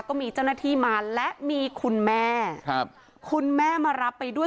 ก็มีเจ้าหน้าที่มาและมีคุณแม่ครับคุณแม่มารับไปด้วย